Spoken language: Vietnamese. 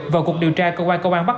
vào cuộc điều tra công an bắc được bắt